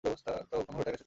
তো, কোন ঘোড়াটা এনেছ তুমি?